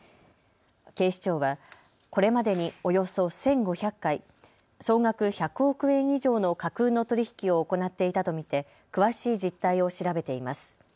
警視庁はこれまでにおよそ１５００回、総額１００億円以上の架空の取り引きを行っていたと見て詳しい実態を調べています。